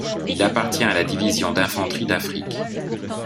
Il appartient à la Division d'Infanterie d'Afrique.